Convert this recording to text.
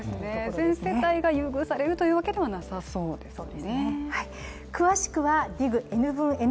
全世帯が優遇されるというわけではなさそうですね。